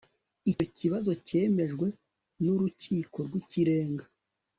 Icyo kibazo cyemejwe nUrukiko rwIkirenga